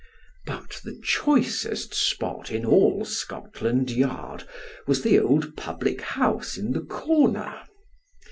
But the choicest spot in all Scotland Yard was the old public house in the corner.